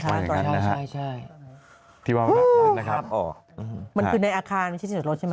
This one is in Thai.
ใช่ใช่ใช่ที่ว่าอ๋อมันคือในอาคารมันใช่ใช่รถรถใช่ไหม